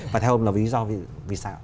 và theo ông là lý do vì sao